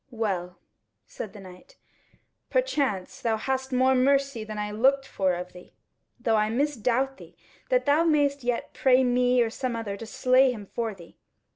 "Well," said the knight, "perchance thou hast more mercy than I looked for of thee; though I misdoubt thee that thou mayst yet pray me or some other to slay him for thee.